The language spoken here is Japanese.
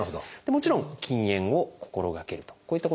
もちろん禁煙を心がけるとこういったことがあります。